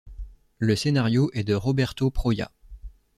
Le scénario est de Roberto Proia.